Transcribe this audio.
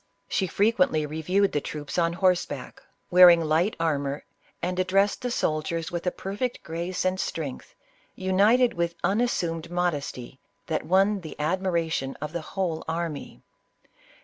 She frequently reviewed the troops on horseback, wearing light armor, and addressed the soldiers with a perfect grace and strength, united with unassumed modesty, that won the admiration of the whole army.